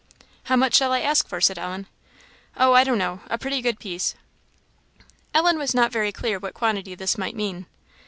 "How much shall I ask for?" said Ellen. "Oh, I don't know a pretty good piece." Ellen was not very clear what quantity this might mean.